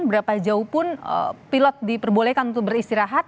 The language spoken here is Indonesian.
berapa jauh pun pilot diperbolehkan untuk beristirahat